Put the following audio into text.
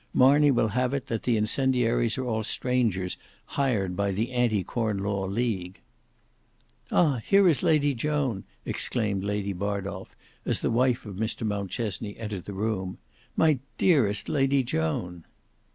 Marney will have it, that the incendiaries are all strangers hired by the anti Corn law League." "Ah! here is Lady Joan," exclaimed Lady Bardolf, as the wife of Mr Mountchesney entered the room; "My dearest Lady Joan!"